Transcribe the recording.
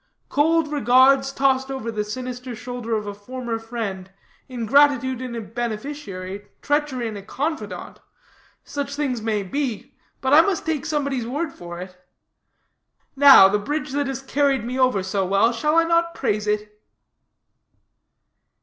Cold regards tossed over the sinister shoulder of a former friend, ingratitude in a beneficiary, treachery in a confidant such things may be; but I must take somebody's word for it. Now the bridge that has carried me so well over, shall I not praise it?"